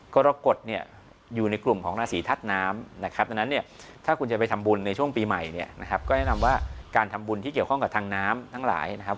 กรกฎเนี่ยอยู่ในกลุ่มของราศีทัศน์น้ำนะครับดังนั้นเนี่ยถ้าคุณจะไปทำบุญในช่วงปีใหม่เนี่ยนะครับก็แนะนำว่าการทำบุญที่เกี่ยวข้องกับทางน้ำทั้งหลายนะครับ